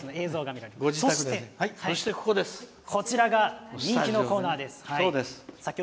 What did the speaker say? そして、こちらが人気のコーナーです。